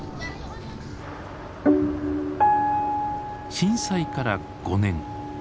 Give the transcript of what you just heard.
震災から５年。